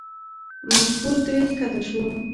موږ ټول ترې ښکته شو.